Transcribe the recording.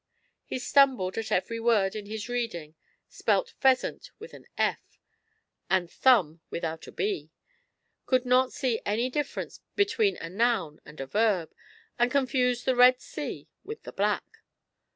He stumbled at every word in his reading, spelt pheasant with an f, and thumb without a b, could not see any difference between a noun and a verb, and confused the Red Sea with the Black.